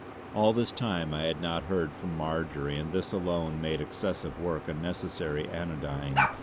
All this time I had not heard from Marjory, and this alone made excessive work a necessary anodyne.